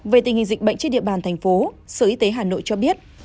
về tình hình dịch bệnh trên địa bàn thành phố sở y tế hà nội cho biết